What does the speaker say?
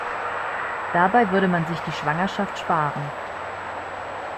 Dabei würde man sich die Schwangerschaft sparen.